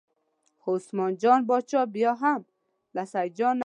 خو عثمان جان باچا بیا هم له سیدجان نه ملګرتوب وغوښت.